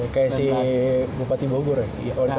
kayak si bupati bogor ya